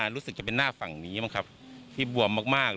รู้สึกจะเป็นหน้าฝั่งนี้บ้างครับที่บวมมาก